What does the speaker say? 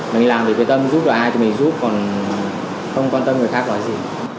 mình làm vì cái tâm giúp được ai thì mình giúp còn không quan tâm người khác nói gì